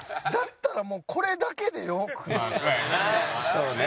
そうね。